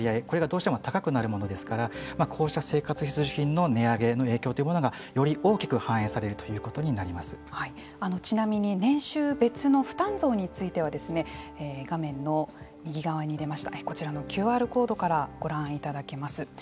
これがどうしても高くなるものですからこうした生活必需品の値上げの影響というものがより大きく反映されるちなみに年収別の負担増については画面の右側に出ましたこちらのＱＲコードからご覧いただけます。